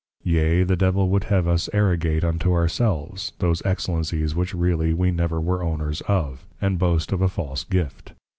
_ Yea, the Devil would have us arrogate unto our selves, those Excellencies which really we never were owners of; and Boast of a false Gift.